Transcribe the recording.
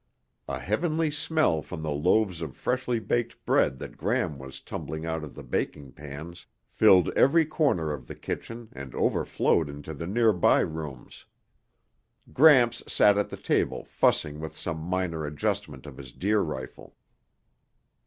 A heavenly smell from the loaves of freshly baked bread that Gram was tumbling out of baking pans filled every corner of the kitchen and overflowed into the nearby rooms. Gramps sat at the table fussing with some minor adjustment of his deer rifle.